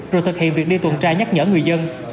rồi thực hiện việc đi tuần tra nhắc nhở người dân